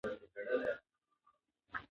ایا ساعت ډېر په سرعت سره حرکت کوي؟